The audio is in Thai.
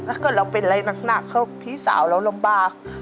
ถ้าเกิดเราเป็นอะไรหนักเขาพี่สาวเราลำบาก